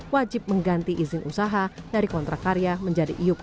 wajib mengganti izin usaha dari kontrak karya menjadi iup